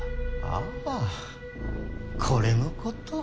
ああこれのこと。